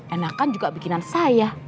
enakan juga bikinan saya